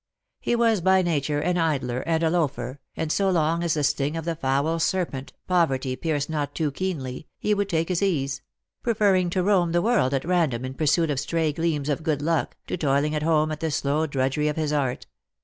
He was by nature an idler and a loafer, and so long as the sting of the foul serpent, poverty, pierced not too keenly, he would take his ease — preferring to roam the world at random in pursuit of stray gleams of good luck, to toiling at home at the slow drudgery of his art.